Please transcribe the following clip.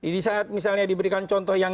di saat misalnya diberikan contoh yang